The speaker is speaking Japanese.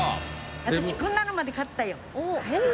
私こんなのまで買ったよ！